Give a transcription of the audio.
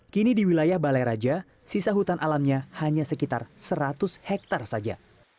kini di wilayah balai raja sisa hutan alamnya hanya sekitar seratus hektare saja